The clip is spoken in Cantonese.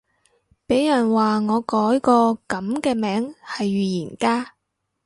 俾人話我改個噉嘅名係預言家